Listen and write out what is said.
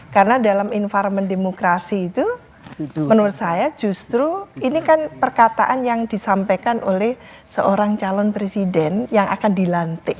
karena dalam environment demokrasi itu menurut saya justru ini kan perkataan yang disampaikan oleh seorang calon presiden yang akan dilantik